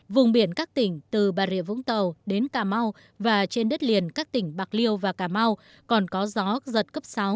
vùng biển các tỉnh từ bà rịa vũng tàu đến cà mau và trên đất liền các tỉnh bạc liêu và cà mau còn có gió giật cấp sáu